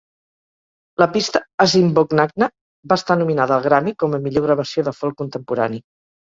La pista "Asimbognagna" va estar nominada al Grammy com a "Millor gravació de folk contemporani".